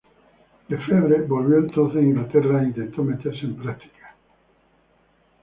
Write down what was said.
Lefevre volvió entonces a Inglaterra e intentó meterse en prácticas.